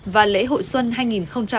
và lễ hội xuân hai nghìn hai mươi bốn